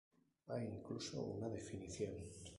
Hay incluso una definición.